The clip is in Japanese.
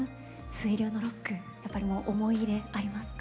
「水流のロック」やっぱり思い入れありますか？